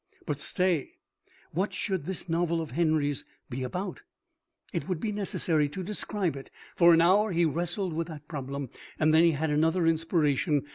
But stay! What should this novel of Henry's be about? It would be necessary to describe it. For an hour he wrestled with the problem, and then he had another inspiration.